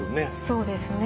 そうですね。